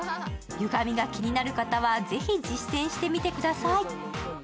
ゆがみが気になる方は、ぜひ実践してみてください。